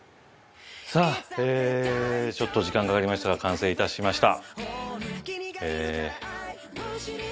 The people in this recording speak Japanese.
さあちょっと時間かかりましたが完成いたしました。